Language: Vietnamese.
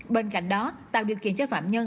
bên cạnh đó tạo điều kiện cho phạm nhân